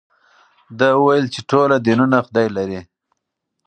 ده وویل چې ټول دینونه خدای لري.